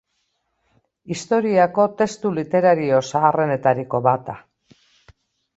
Historiako testu literario zaharrenetariko bat da.